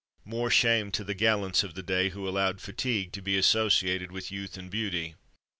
More shame to the gallants of the day, who allowed "fatigue" to be associated with youth and beauty!